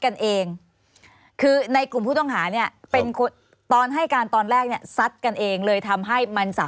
อันนี้คือเพลงสุดท้าย